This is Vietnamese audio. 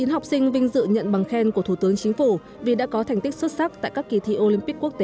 chín học sinh vinh dự nhận bằng khen của thủ tướng chính phủ vì đã có thành tích xuất sắc tại các kỳ thi olympic quốc tế